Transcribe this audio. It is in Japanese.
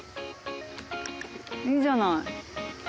いいじゃない。